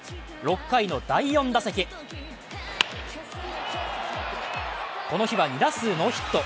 ６回の第４打席、この日は２打数ノーヒット。